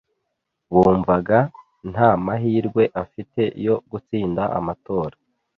Bumvaga nta mahirwe afite yo gutsinda amatora.